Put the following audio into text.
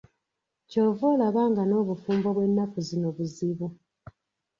Ky'ova olaba nga n'obufumbo bwe nnaku zino buzibu.